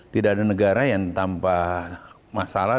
tidak ada negara yang tanpa masalah